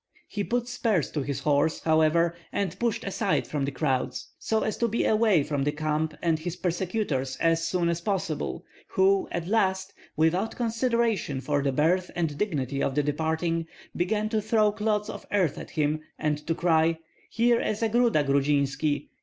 He put spurs to his horse, however, and pushed aside the crowds, so as to be away from the camp and his persecutors as soon as possible, who at last, without consideration for the birth and dignity of the departing, began to throw clods of earth at him and to cry, "Here is a gruda, Grudzinski!